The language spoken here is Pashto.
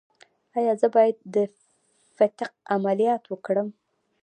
ایا زه باید د فتق عملیات وکړم؟